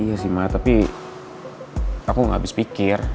iya sih mah tapi aku gak habis pikir